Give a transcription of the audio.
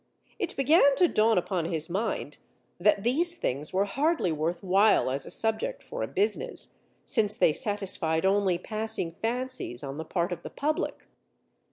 It began to dawn upon his mind that these things were hardly worth while as a subject for a business, since they satisfied only passing fancies on the part of the public.